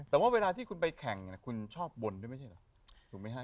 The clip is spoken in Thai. แต่ว่าเวลาที่คุณไปแข่งคุณชอบบนด้วยไม่ใช่เหรอถูกไหมฮะ